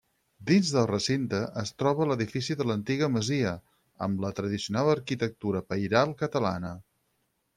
Dins del recinte es troba l'edifici de l'antiga masia, amb la tradicional arquitectura pairal catalana.